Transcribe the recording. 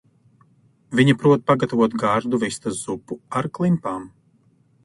Viņa prot pagatavot gardu vistas zupu ar klimpām.